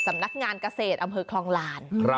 สำนักงานเกษตรอำเภอคลองลาน